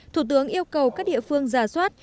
thủ tướng yêu cầu các địa phương giả soát